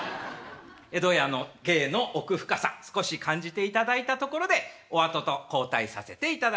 江戸家の芸の奥深さ少し感じていただいたところでお後と交代させていただきます。